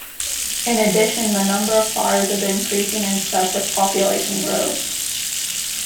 In addition, the number of fires is increasing in step with population growth.